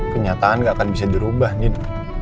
kenyataan gak akan bisa dirubah nin